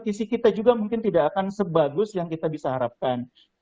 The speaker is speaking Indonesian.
isi kita juga mungkin tidak akan sebagus yang kita bisa harapkan